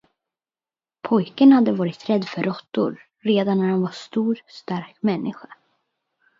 Pojken hade varit rädd för råttor, redan när han var stor, stark människa.